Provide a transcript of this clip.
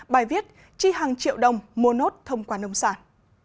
bài viết chi hàng triệu đồng mua nốt thông qua nông sản